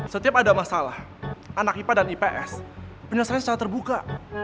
setiap ada masalah anak ipa dan ips penyelesaian secara terbuka